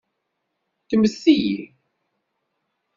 Ddmet-iyi.